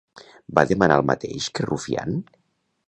Va demanar el mateix que Rufián?